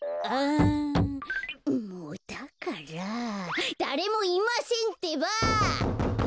んもだからだれもいませんってば！